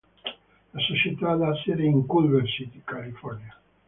La società ha sede in Culver City, California.